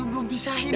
lu belum bisa ini